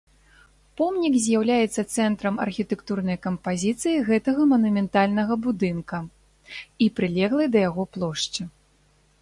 Помнік з'яўляецца цэнтрам архітэктурнай кампазіцыі гэтага манументальнага будынка і прылеглай да яго плошчы.